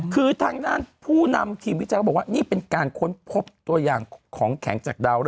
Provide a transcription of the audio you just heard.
คือทางด้านผู้นำสินวิทยาศาสตร์เขาบอกว่า